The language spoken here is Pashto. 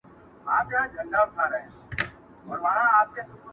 ځان کي مهوه سمه کله چي ځان وینم،